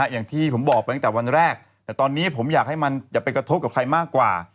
อย่างที่ผมบอกไปตั้งแต่วันแรกแต่ตอนนี้ผมอยากให้มันอย่าไปกระทบกับใครมากกว่า